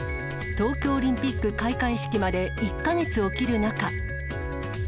東京オリンピック開会式まで１か月を切る中。